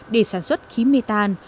để sản xuất khí mê tan